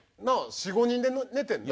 ４５人で寝てんな。